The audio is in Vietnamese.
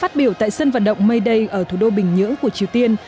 phát biểu tại sân vận động mayday ở thủ đô bình nhưỡng của triều tiên